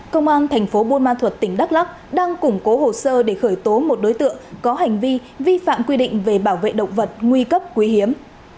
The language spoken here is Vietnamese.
công an thành phố buôn ma thuật tỉnh đắk lắc đang củng cố hồ sơ để khởi tố một đối tượng có hành vi vi phạm quy định về bảo vệ động vật nguy cấp quý hiếm